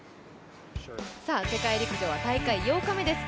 世界陸上は大会８日目です。